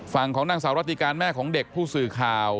ฝั่งของนางสาวรัติการแม่ของเด็กผู้สื่อข่าว